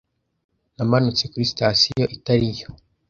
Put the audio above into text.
Namanutse kuri sitasiyo itari yo.